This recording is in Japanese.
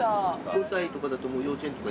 ５歳とかだと幼稚園とか。